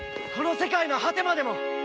この世界の果てまでも！